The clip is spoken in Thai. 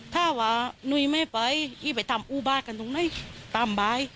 ถ้าว่านุ้ยไม่ไปอี้ไปทำอูบ้ากันตรงไหนตามบาย